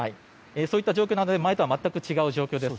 そういった状況などで前とは全く違う状況です。